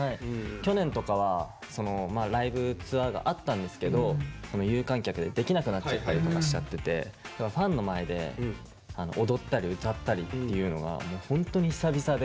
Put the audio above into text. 去年とかはライブツアーがあったんですけど有観客でできなくなっちゃったりとかしちゃっててファンの前で踊ったり歌ったりっていうのがホントに久々で。